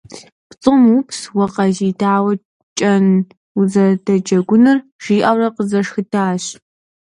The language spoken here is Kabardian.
«ПцӀы умыупс, уэ Къазий дауэ кӀэн узэрыдэджэгуныр?» - жиӀэурэ къызэшхыдащ.